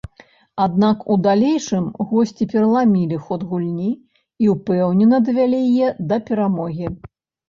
Аднак у далейшым госці пераламілі ход гульні і ўпэўнена давялі яе да перамогі.